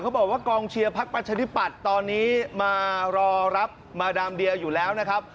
บอกว่ากองเชียร์พักประชาธิปัตย์ตอนนี้มารอรับมาดามเดียวอยู่แล้วนะครับ